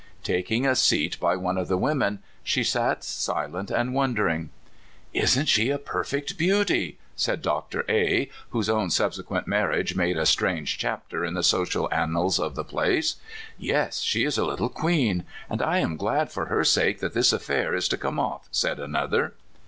Taking a seat by one of the women, she sat silent and wondering. *' Isn't she a perfect beauty I " said Dr. A , whose own subsequent marriage made a strange chapter in the social annals of the place. "Yes; she is a little queen. And I am glad for her sake that this affair is to come off," said another.